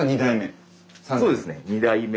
そうですね２代目。